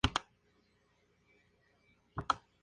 Los agricultores son expulsados de las tierras en disputa.